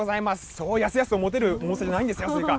そうやすやすと持てる重さじゃないんですよ、スイカ。